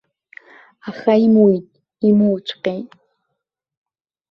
Аха имуит, имуҵәҟьеит.